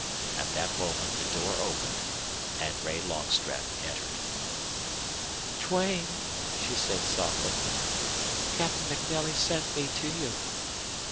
At that moment the door opened, and Ray Longstreth entered. "Duane," she said, softly. "Captain MacNelly sent me to you."